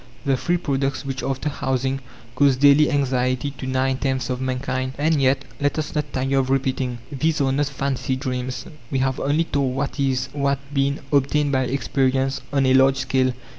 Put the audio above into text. The three products which, after housing, cause daily anxiety to nine tenths of mankind. And yet let us not tire of repeating these are not fancy dreams. We have only told what is, what been, obtained by experience on a large scale.